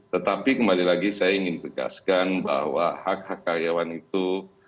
tetapi kembali lagi saya ingin tegaskan bahwa hak hak karyawan itu